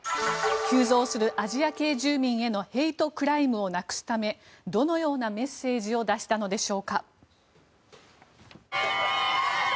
急増するアジア系住民へのヘイトクライムをなくすためどのようなメッセージを出したのでしょうか。